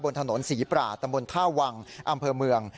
บนถนนศรีปราตำบลท่าวังอำเภอเมือง